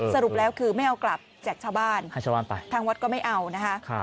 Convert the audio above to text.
สรุปแล้วคือไม่เอากลับแจกชาวบ้านให้ชาวบ้านไปทางวัดก็ไม่เอานะคะ